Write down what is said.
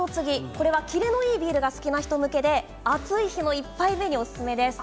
これはキレのいいビールが好きな人向けで暑い日の１杯目におすすめです。